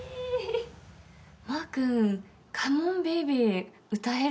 まーくん、カモンベイビー歌える？